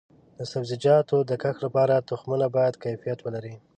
د سبزیجاتو د کښت لپاره تخمونه باید کیفیت ولري.